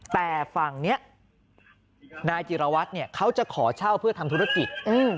แต่ฝั่งนี้นายจิรวัตรเนี่ยเขาจะขอเช่าเพื่อทำธุรกิจ